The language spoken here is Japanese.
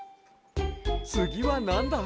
つぎはなんだい？